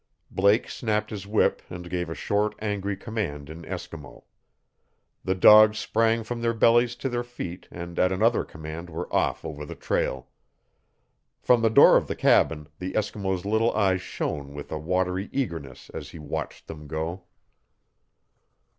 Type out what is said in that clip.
Blake snapped his whip and gave a short, angry command in Eskimo. The dogs sprang from their bellies to their feet and at another command were off over the trail. From the door of the cabin the Eskimo's little eyes shone with a watery eagerness as he watched them go.